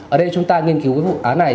ở đây chúng ta nghiên cứu cái vụ án này